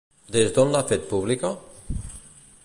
Des d'on l'ha fet pública?